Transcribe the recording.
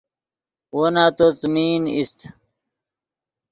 وو نتو څیمین ایست